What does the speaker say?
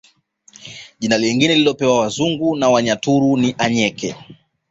Jina lingine walilopewa wazungu na Wanyaturu ni Anyeke